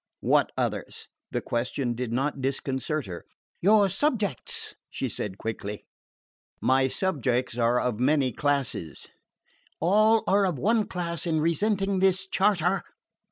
"What others?" The question did not disconcert her. "Your subjects," she said quickly. "My subjects are of many classes." "All are of one class in resenting this charter.